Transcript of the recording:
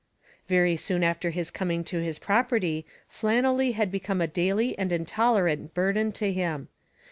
Very soon after his coming to his property Flannelly had become a daily and intolerant burthen to him.